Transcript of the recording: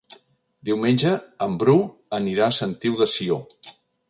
Diumenge en Bru anirà a la Sentiu de Sió.